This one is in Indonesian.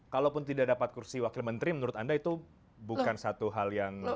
kalaupun tidak dapat kursi wakil menteri menurut anda itu bukan satu hal yang